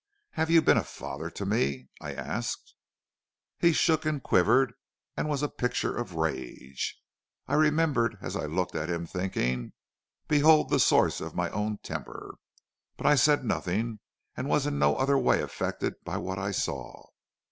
"'Have you been a father to me?' I asked. "He shook and quivered and was a picture of rage. I remembered as I looked at him, thinking, 'Behold the source of my own temper,' but I said nothing, and was in no other way affected by what I saw.